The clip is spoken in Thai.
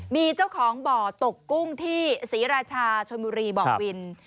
มีเจ้าของบ่อตกกุ้งที่ศรีราชาชนบุรีบ่อวิน